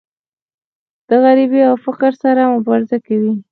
د غریبۍ او فقر سره مبارزه کوي.